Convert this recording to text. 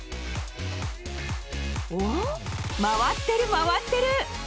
回ってる回ってる！